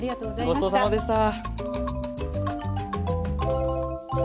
ごちそうさまでした。